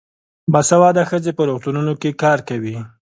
باسواده ښځې په روغتونونو کې کار کوي.